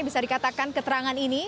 bisa dikatakan keterangan ini